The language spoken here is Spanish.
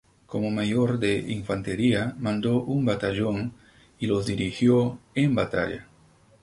Como Mayor de Infantería, mandó un batallón y los dirigió en batalla.